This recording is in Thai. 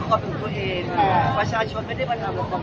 บอกเลยของตัวเจ้าคนประชาชนไม่ได้มานํำกับเรา